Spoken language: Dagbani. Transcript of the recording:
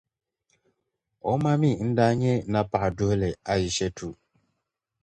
O ma mi n-daa nyɛ Napaɣi Duhili Ayishetu.